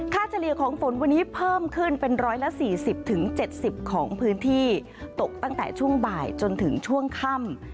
เฉลี่ยของฝนวันนี้เพิ่มขึ้นเป็น๑๔๐๗๐ของพื้นที่ตกตั้งแต่ช่วงบ่ายจนถึงช่วงค่ำ